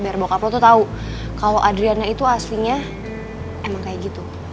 biar bokap lo tuh tau kalo adriana itu aslinya emang kayak gitu